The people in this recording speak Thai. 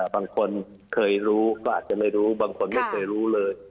บางคนเคยรู้ก็อาจจะไม่รู้บางคนไม่เคยรู้เลย